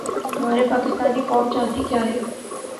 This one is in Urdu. ہماری پاکستانی قوم چاہتی کیا ہے؟